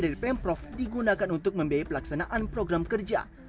dari pemprov digunakan untuk membiayai pelaksanaan program kerja